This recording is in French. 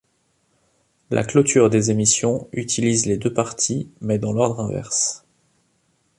La clôture des émissions utilise les deux parties mais dans l'ordre inverse.